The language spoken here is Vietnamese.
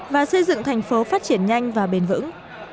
và xây dựng thành phố phát triển nhanh và bền vững